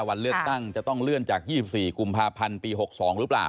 วันเลือกตั้งจะต้องเลื่อนจาก๒๔กุมภาพันธ์ปี๖๒หรือเปล่า